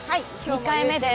２回目です。